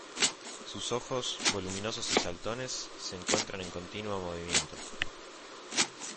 Sus ojos, voluminosos y saltones, se encuentran en continuo movimiento.